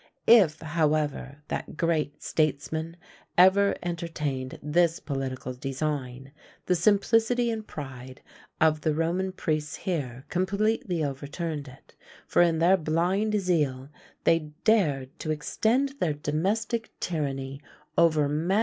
If, however, that great statesman ever entertained this political design, the simplicity and pride of the Roman priests here completely overturned it; for in their blind zeal they dared to extend their domestic tyranny over majesty itself.